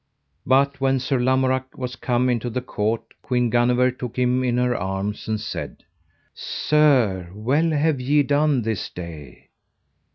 But when Sir Lamorak was come into the court Queen Guenever took him in her arms and said: Sir, well have ye done this day.